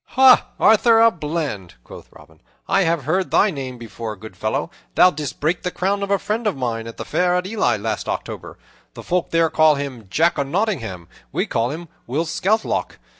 "Ha, Arthur a Bland!" quoth Robin, "I have heard thy name before, good fellow. Thou didst break the crown of a friend of mine at the fair at Ely last October. The folk there call him Jock o' Nottingham; we call him Will Scathelock.